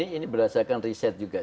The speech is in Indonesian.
iya ini berdasarkan perhatian